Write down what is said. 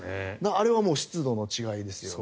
あれはもう湿度の違いですよね。